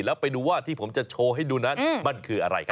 แล้วไปดูว่าที่ผมจะโชว์ให้ดูนั้นมันคืออะไรครับ